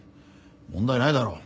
問題ないだろう。